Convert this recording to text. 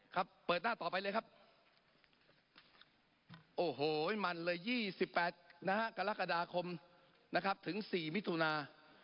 ครับเปิดหน้าต่อไปเลยครับโอ้โหมันเลย๒๘นะฮะกรกฎาคมนะครับถึง๔มิถุนา